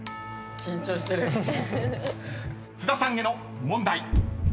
［津田さんへの問題］